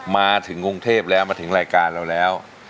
มาถึงกรุงเทพแล้วมาถึงรายการเราแล้ว